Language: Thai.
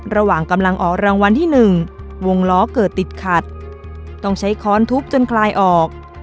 ระหว่างกำลังออกรางวัลที่๑วงล้อเกิดติดขัดต้องใช้ค้อนทุบจนคลายออก